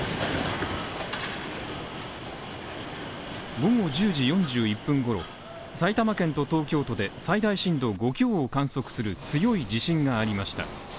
午後１０時４１分ごろ、埼玉県と東京都で最大震度５強を観測する強い地震がありました。